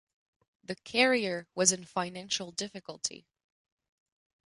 The carrier was in financial difficulty.